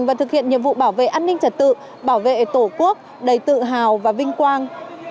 và thực hiện nhiệm vụ bảo vệ an ninh trật tự bảo vệ tổ quốc đầy tự hào và vinh quang